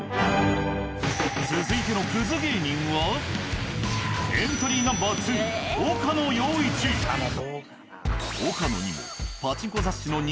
続いてのクズ芸人はエントリーナンバー岡野どうかなぁ。